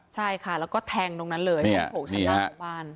ใช่ค่ะแล้วก็แทงตรงนั้นเลยตรงโถงชั้นล่างของบ้าน